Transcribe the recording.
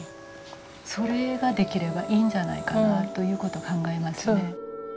それができればいいんじゃないかなという事考えますね。